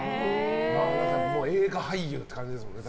映画俳優って感じですもんね